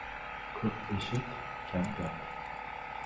• Ko‘p eshit, kam gapir.